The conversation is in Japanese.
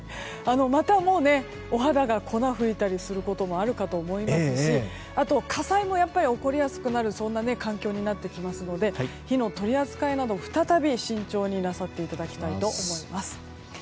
また、お肌が粉を吹いたりすることもあるかと思いますしあと火災も起こりやすくなるそんな環境になってきますので火の取り扱いなど、再び慎重になさっていただきたいと思います。